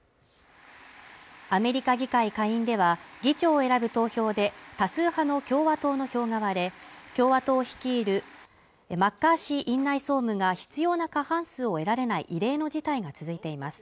アメリカ議会下院では議長を選ぶ投票で多数派の共和党の票が割れ共和党を率いるマッカーシー院内総務が必要な過半数を得られない異例の事態が続いています